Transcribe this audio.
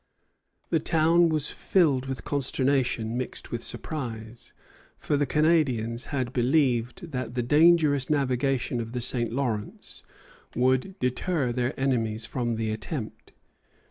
The town was filled with consternation mixed with surprise, for the Canadians had believed that the dangerous navigation of the St. Lawrence would deter their enemies from the attempt.